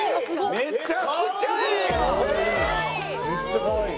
めっちゃかわいい。